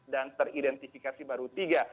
dan teridentifikasi baru tiga